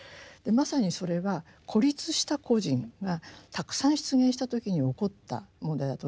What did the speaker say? まさにそれは孤立した個人がたくさん出現した時に起こった問題だと思います。